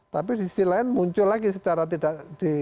tapi di sisi lain muncul lagi secara tidak